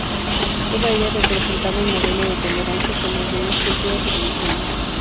Toda ella representaba un modelo de tolerancia hacia las demás culturas y religiones.